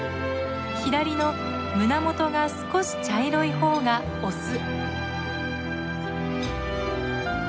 左の胸元が少し茶色い方がオス。